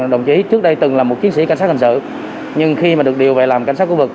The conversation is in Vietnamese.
đồng chí trước đây từng là một chiến sĩ cảnh sát thành sự nhưng khi mà được điều về làm cảnh sát khu vực